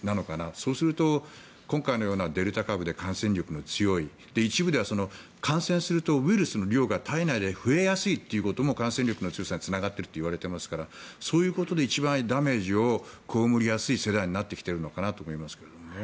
そうすると、今回のようなデルタ株で感染力の強い一部では感染するとウイルスの量が体内で増えやすいということも感染力の強さにつながっているといわれていますからそういうことで一番ダメージをこうむりやすい世代になってきてるのかなと思いますね。